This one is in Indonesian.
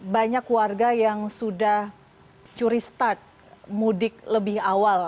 banyak warga yang sudah curi start mudik lebih awal